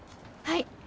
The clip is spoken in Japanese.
はい。